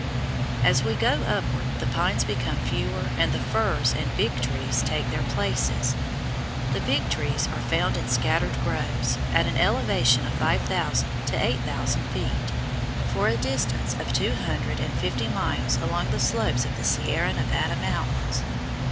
As we go upward the pines become fewer and the firs and "Big Trees" take their places. The Big Trees are found in scattered groves, at an elevation of five thousand to eight thousand feet, for a distance of two hundred and fifty miles along the slopes of the Sierra Nevada mountains.